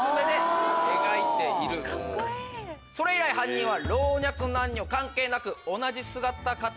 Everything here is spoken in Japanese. それ以来犯人は。